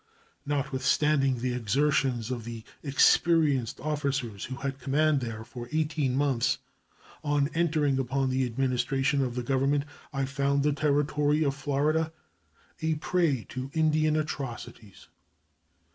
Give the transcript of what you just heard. Notwithstanding the exertions of the experienced officers who had command there for eighteen months, on entering upon the administration of the Government I found the Territory of Florida a prey to Indian atrocities.